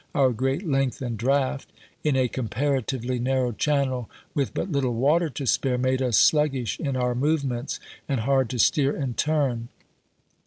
Our great length and draft, in a compara tively narrow channel with but little water to spare, made us sluggish in our movements and hard to steer and turn.